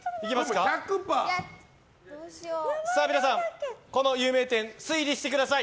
皆さん、この有名店推理してください。